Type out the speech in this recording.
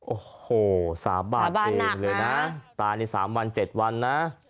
โอ้โหสาบานสังเกตนี่เลยนะสาบานนักนะตายใน๓วัน๗วันนะ